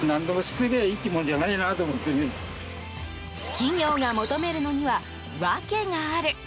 企業が求めるのには訳がある。